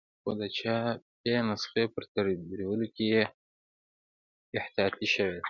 خو د چاپي نسخې په ترتیبولو کې بې احتیاطي شوې ده.